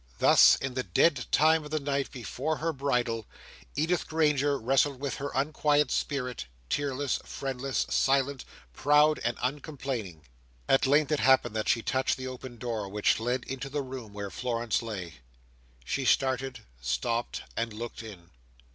Thus, in the dead time of the night before her bridal, Edith Granger wrestled with her unquiet spirit, tearless, friendless, silent, proud, and uncomplaining. At length it happened that she touched the open door which led into the room where Florence lay. She started, stopped, and looked in.